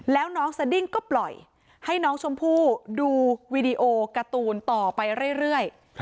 แล้วน้องสดิ้งก็ปล่อยให้น้องชมพู่ดูวีดีโอการ์ตูนต่อไปเรื่อย